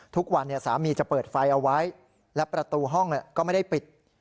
ทุกวันสามีจะเปิดไฟเอาไว้และประตูห้องก็ไม่ได้ปิด